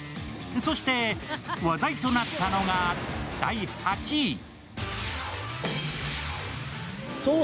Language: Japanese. そして、話題となったのが第８位。